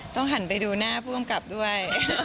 หันไปดูหน้าผู้กำกับด้วย